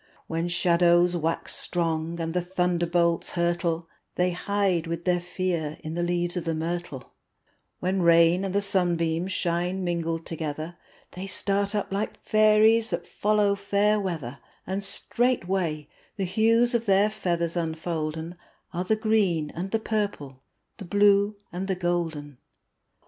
When shadows wax strong and the thunder bolts hurtle, They hide with their fear in the leaves of the myrtle; When rain and the sunbeams shine mingled together They start up like fairies that follow fair weather, And straightway the hues of their feathers unfolden Are the green and the purple, the blue and the golden.